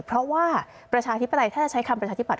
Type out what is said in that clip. เพราะว่าประชาธิปไตยถ้าจะใช้คำประชาธิปัต